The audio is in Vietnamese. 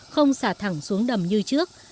không xả thẳng xuống đầm như trước